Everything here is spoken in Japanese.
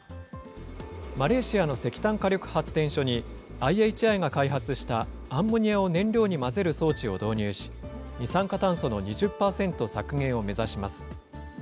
マレーシアの石炭火力発電所に、ＩＨＩが開発したアンモニアを燃料に混ぜる装置を導入し、二酸化炭素の２０％削減を目指します。